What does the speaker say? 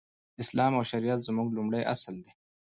اسلام او شريعت زموږ لومړی اصل دی.